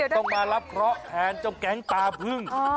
ต้องมารับเคราะห์แทนเจ้าแก๊งตาพึ่ง